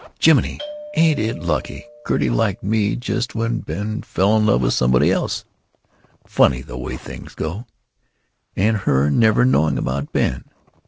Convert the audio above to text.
Jiminy! ain't it lucky Gertie liked me just when Ben fell in love with somebody else! Funny the way things go; and her never knowing about Ben."